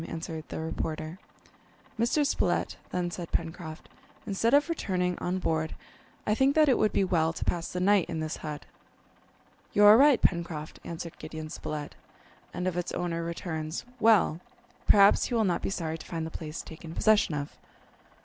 answered the reporter. "Mr. Spilett," then said Pencroft, "instead of returning on board, I think that it would be well to pass the night in this hut." "You are right, Pencroft," answered Gideon Spilett, "and if its owner returns, well! perhaps he will not be sorry to find the place taken possession of."